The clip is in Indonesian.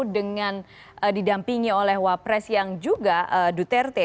dengan didampingi oleh wapres yang juga duterte